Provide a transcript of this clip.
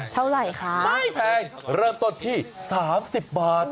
เท่าไหร่คะไม่แพงเริ่มต้นที่๓๐บาท